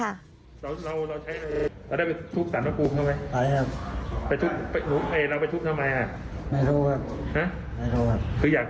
แล้วเสพไปกี่เมตรแล้ววะเนี่ย